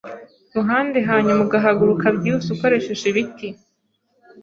ruhande hanyuma ugahaguruka byihuse ukoresheje ibiti.